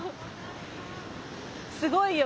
すごいよ。